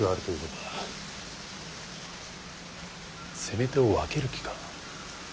攻め手を分ける気か。